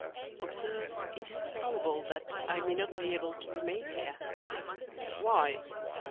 "Observe, it is probable that I may not be able to remain here." "Why?"